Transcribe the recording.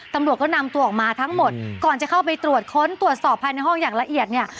ตำรวจก็นำตัวออกมาทั้งหมดก่อนจะเข้าไปตรวจค้นตรวจสอบภายในห้องอย่างละเอียดเนี่ย